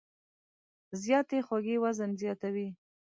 زیاتې خوږې وزن زیاتوي.